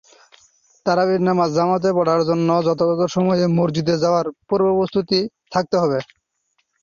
তারাবির নামাজ জামাতে পড়ার জন্য যথাসময়ে মসজিদে যাওয়ার পূর্বপ্রস্তুতি থাকতে হবে।